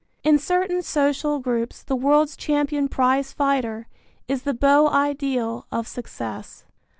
In certain social groups the world's champion prize fighter is the beau ideal of success.